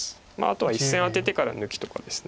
あとは１線アテてから抜きとかです。